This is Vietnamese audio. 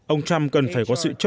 ông trump cần phải có sự chấp nhận